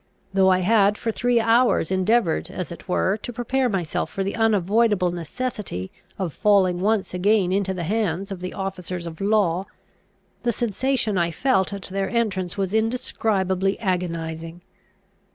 Though I had for three hours endeavoured, as it were, to prepare myself for the unavoidable necessity of falling once again into the hands of the officers of law, the sensation I felt at their entrance was indescribably agonising.